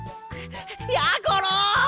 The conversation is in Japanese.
やころ！